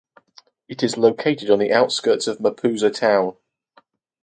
It is located on the outskirts of Mapusa town.